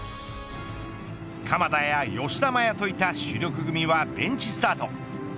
鎌田や吉田麻也といった主力組はベンチスタート。